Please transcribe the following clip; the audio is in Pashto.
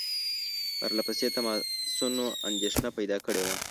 پرله پسې تماسونو اندېښنه پیدا کړې وه.